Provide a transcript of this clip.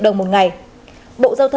bộ giao thông vận tải tổ chức thanh tra